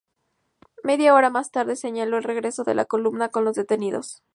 Media hora más tarde, señaló el regreso de la columna con los detenidos.